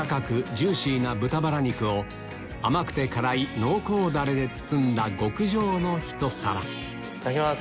ジューシーな豚ばら肉を甘くて辛い濃厚ダレで包んだ極上のひと皿いただきます。